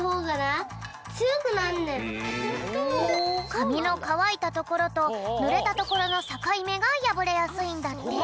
かみのかわいたところとぬれたところのさかいめがやぶれやすいんだって。